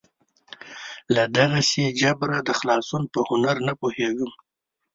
له دغسې جبره د خلاصون په هنر نه پوهېږي.